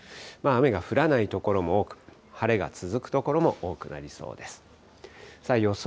雨が降らない所も多く、晴れが続く所も多くなりそうです。